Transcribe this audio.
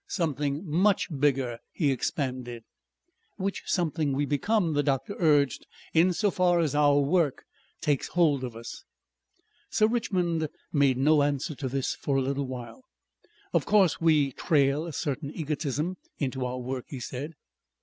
"Something much bigger," he expanded. "Which something we become," the doctor urged, "in so far as our work takes hold of us." Sir Richmond made no answer to this for a little while. "Of course we trail a certain egotism into our work," he said.